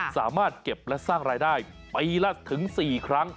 สามารถเก็บและสร้างรายได้ปีละถึง๔ครั้ง